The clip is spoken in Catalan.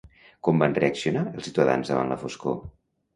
Com van reaccionar els ciutadans davant la foscor?